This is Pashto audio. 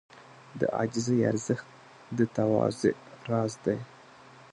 د عاجزۍ ارزښت د تواضع راز دی.